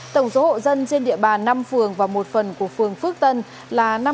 tổng số hộ dân trên địa bàn năm phường và một phần của phường phước tân là năm mươi năm ba mươi bảy hộ